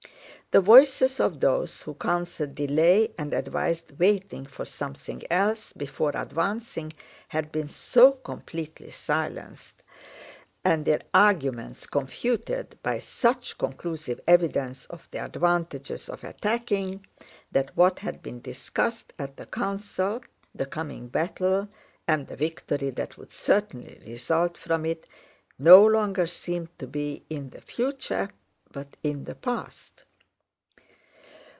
The voices of those who counseled delay and advised waiting for something else before advancing had been so completely silenced and their arguments confuted by such conclusive evidence of the advantages of attacking that what had been discussed at the council—the coming battle and the victory that would certainly result from it—no longer seemed to be in the future but in the past.